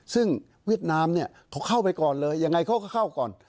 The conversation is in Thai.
ซึ่งเวียดนามเนี่ยเขาเข้าไปก่อนเลยยังไงเขาก็เข้าก่อน